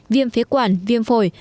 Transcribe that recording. viêm phế quản viêm phổi